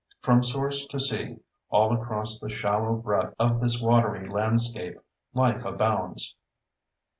From source to sea, all across the shallow breadth of this watery landscape, life abounds.